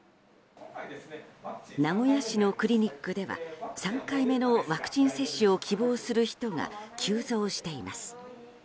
名古屋市のクリニックでは３回目のワクチン接種を希望する人が急増しています。